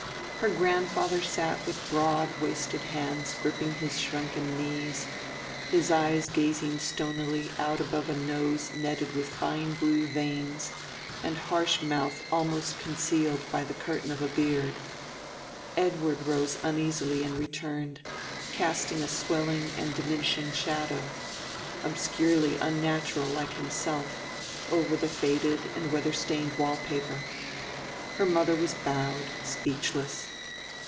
Her grandfather sat with broad wasted hands gripping his shrunken knees, his eyes gazing stonily out above a nose netted with fine blue veins and harsh mouth almost concealed by the curtain of beard. Edward rose uneasily and returned, casting a swelling and diminishing shadow obscurely unnatural like himself over the faded and weather stained wall paper. Her mother was bowed, speechless.